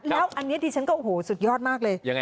แล้วอันนี้ดิฉันก็โอ้โหสุดยอดมากเลย